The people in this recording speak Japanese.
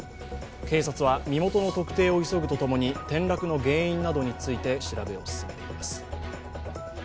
警察は身元の特定を急ぐと共に転落の原因などについて調べを進めています。